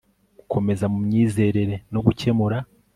Gukomera mu myizerere no gukemura